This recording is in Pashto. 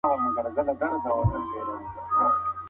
ایمان د زړه رڼا او د ژوند سکون دی.